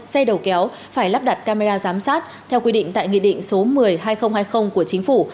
xe đầu kéo phải lắp đặt camera giám sát theo quy định tại nghị định số một mươi hai nghìn hai mươi của chính phủ